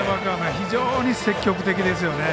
非常に積極的ですよね。